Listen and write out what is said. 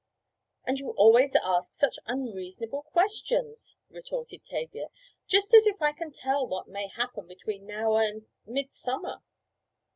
"And you always ask such unreasonable questions," retorted Tavia. "Just as if I can tell what may happen between now and—midsummer."